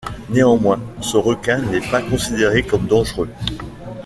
Néanmoins, ce requin n'est pas considéré comme dangereux.